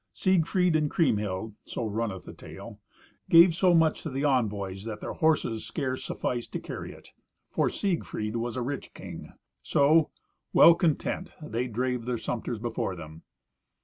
Siegfried and Kriemhild (so runneth the tale) gave so much to the envoys that their horses scarce sufficed to carry it, for Siegfried was a rich king. So, well content, they drave their sumpters before them.